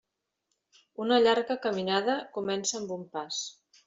Una llarga caminada comença amb un pas.